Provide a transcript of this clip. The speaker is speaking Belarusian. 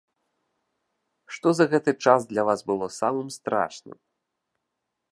Што за гэты час для вас было самым страшным?